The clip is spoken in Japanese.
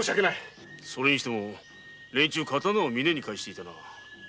それにしても連中は刀を峰に返していた。